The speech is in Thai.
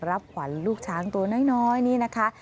รับขวัญลูกช้างตัวน้อยนี่นะคะ